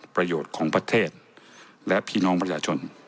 ประโยชน์ของประเทศและพี่น้องประชาชน